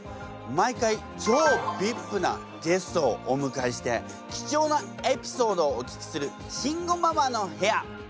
毎回超ビッグなゲストをおむかえして貴重なエピソードをお聞きする「慎吾ママの部屋」。